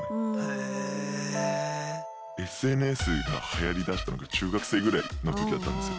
ＳＮＳがはやりだしたのが中学生ぐらいの時だったんですよ。